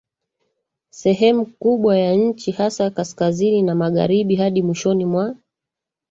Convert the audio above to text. sehemu kubwa ya nchi hasa kaskazini na magharibi hadi mwishoni mwa